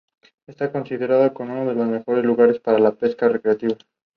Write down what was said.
Adicionalmente, se incluía una pequeña introducción a la historia del Arte.